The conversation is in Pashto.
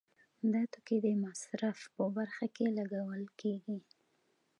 دا توکي د مصرف په برخه کې لګول کیږي.